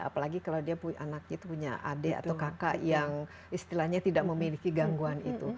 apalagi kalau dia anaknya itu punya adik atau kakak yang istilahnya tidak memiliki gangguan itu